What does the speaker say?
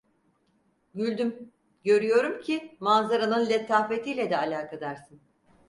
Güldüm; "Görüyorum ki manzaranın letafetiyle de alakadarsın."